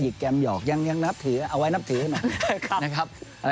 หญิกแก่มหยอกเอาไว้นับถือให้แม้